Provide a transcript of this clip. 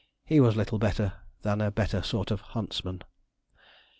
He was little better than a better sort of huntsman.